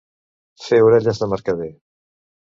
Fer orelles de mercader.